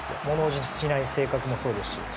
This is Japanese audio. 物おじしない性格もそうですし。